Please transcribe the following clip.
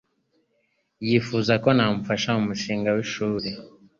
Yifuza ko namufasha mumushinga wishuri.